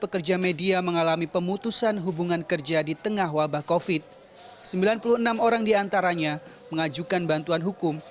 kami pemutusan hubungan kerja di tengah wabah covid sembilan belas orang diantaranya mengajukan bantuan hukum